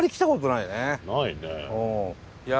ないねえ。